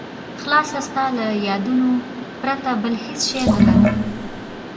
خلاصه ستا له یادونو پرته بل هېڅ شی نه لرم.